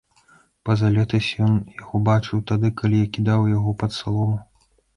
Пазалетась ён яго бачыў, тады, калі я кідаў яго пад салому.